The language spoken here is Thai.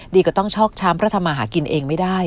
ก็ต้องชอกช้ำพระทำมาหากินเองไม่ได้